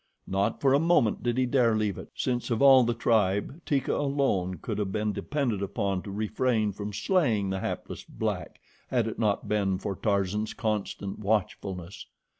Not for a moment did he dare leave it, since of all the tribe, Teeka alone could have been depended upon to refrain from slaying the hapless black had it not been for Tarzan's constant watchfulness.